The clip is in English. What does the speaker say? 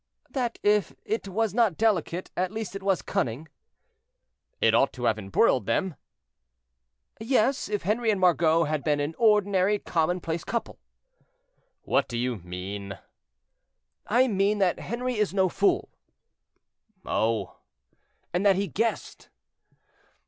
"That if it was not delicate, at least it was cunning." "It ought to have embroiled them?" "Yes, if Henri and Margot had been an ordinary, commonplace couple." "What do you mean?" "I mean that Henri is no fool." "Oh!" "And that he guessed."